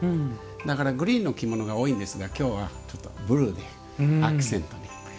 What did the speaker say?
だからグリーンの着物が多いですがきょうはブルーでアクセントを。